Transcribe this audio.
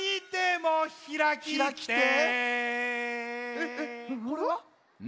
えっえっこれは？